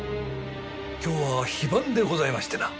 今日は非番でございましてな。